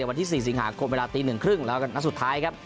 วันที่๔สิงหาคมเวลาตี๑๓๐แล้วก็นัดสุดท้ายครับ